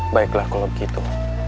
baiklah kalau begitu